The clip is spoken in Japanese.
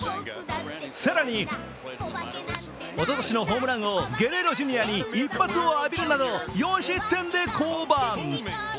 更に、おととしのホームラン王ゲレーロ・ジュニアに一発を浴びるなど４失点で降板。